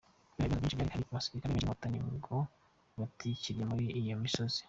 Kubera ibibazo byinshi byari bihari, abasirikare benshi b’inkotanyi ngo batikiriye muri iyo misozi.